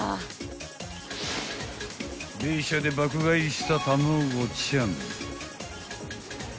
［ベイシアで爆買いした卵ちゃん］